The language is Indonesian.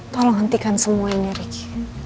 tolong hentikan semua ini ricky